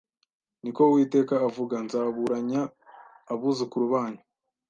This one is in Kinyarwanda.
ni ko Uwiteka avuga, nzaburanya abuzukuru banyu